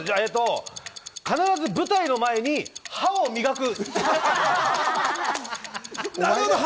必ず舞台の前に歯を磨く。